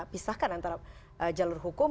pisahkan antara jalur hukum